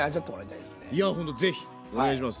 いやほんと是非お願いします！